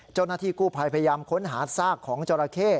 เจ้าหน้าที่กู้ภัยพยายามค้นหาซากของจราเข้